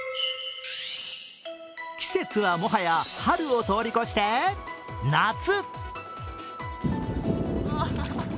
季節はもはや春を通り越して夏。